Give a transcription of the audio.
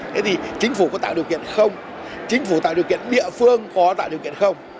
thế thì chính phủ có tạo điều kiện không chính phủ tạo điều kiện địa phương có tạo điều kiện không